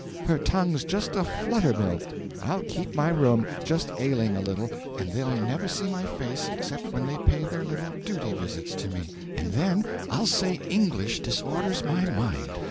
Her tongue's just a flutter mill. I'll keep my room just ailing a little and they'll never see my face except when they pay their little duty visits to me, and then I'll say English disorders my mind.